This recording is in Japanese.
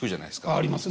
ありますね。